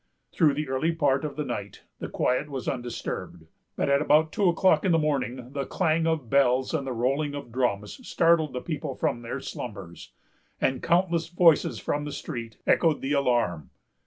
Through the early part of the night, the quiet was undisturbed; but at about two o'clock in the morning, the clang of bells and the rolling of drums startled the people from their slumbers, and countless voices from the street echoed the alarm.